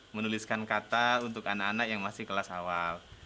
menuliskan kata untuk anak anak yang masih kelas awal